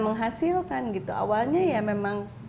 menghasilkan gitu awalnya ya memang